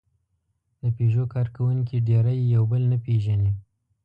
د پيژو کارکوونکي ډېری یې یو بل نه پېژني.